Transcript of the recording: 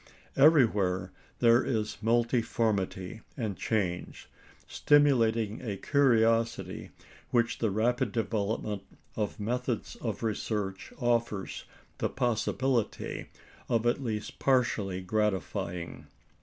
Everywhere there is multiformity and change, stimulating a curiosity which the rapid development of methods of research offers the possibility of at least partially gratifying.